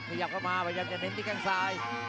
ขยับเข้ามาพยายามจะเน้นที่แข้งซ้าย